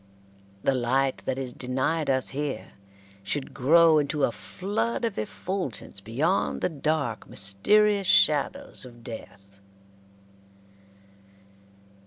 The light that is denied us here should grow into a flood of effulgence beyond the dark, mysterious shadows of death.